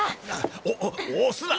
おお押すな！